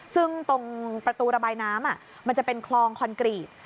ซึ่งตรงประตูระบายน้ำมันจะเป็นคลองคอนกรีต